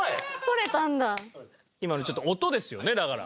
今のちょっと音ですよねだから。